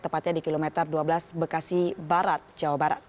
tepatnya di kilometer dua belas bekasi barat jawa barat